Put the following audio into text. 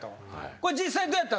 これ実際どうやったんですか？